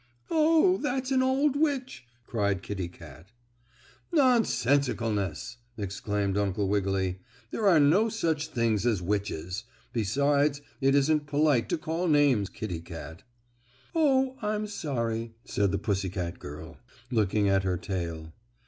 "Oh, that's an old witch!" cried Kittie Kat. "Nonsensicalness!" exclaimed Uncle Wiggily. "There are no such things as witches. Besides, it isn't polite to call names, Kittie Kat." "Oh, I'm sorry," said the pussy girl, looking at her tail.